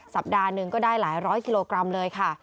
สัปดาห์หนึ่งก็ได้หลายร้อยกิโลกรัมเลยค่ะ